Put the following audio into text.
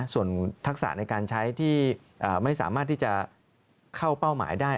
ส่วนทักษะในการใช้ที่ไม่สามารถที่จะเข้าเป้าหมายได้